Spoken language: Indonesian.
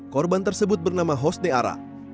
korban tersebut bernama hosda ara